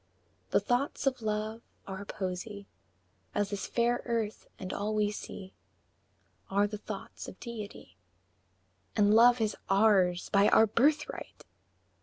V. The thoughts of Love are Poesy, As this fair earth and all we see Are the thoughts of Deity And Love is ours by our birthright!